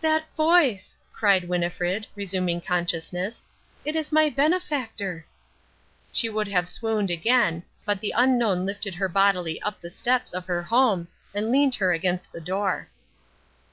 "That voice!" cried Winnifred, resuming consciousness. "It is my benefactor." She would have swooned again, but the Unknown lifted her bodily up the steps of her home and leant her against the door.